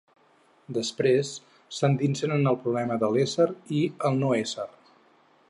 Després s'endinsen en el problema de l'ésser i el no-ésser.